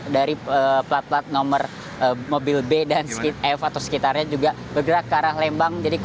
dari plat plat nomor mobil b dan skit f atau sekitarnya juga bergerak ke arah lembang